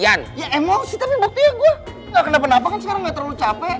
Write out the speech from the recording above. ya emosi tapi waktu itu gua ga kenapa napa kan sekarang ga terlalu capek